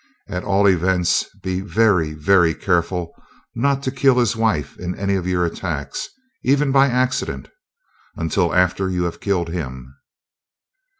At all events be very, very careful not to kill his wife in any of your attacks, even by accident, until after you have killed him."